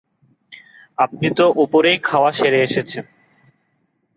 আপনি তো উপরেই খাওয়া সেরে এসেছেন।